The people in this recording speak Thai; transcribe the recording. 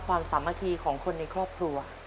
สามัคคีของคนในครอบครัว